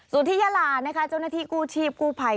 ส่วนที่ยาลานะคะเจ้าหน้าที่กู้ชีพกู้ภัย